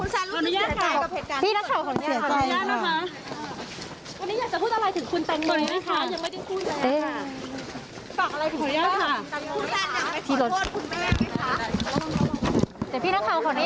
ยังไม่ได้พูดเลย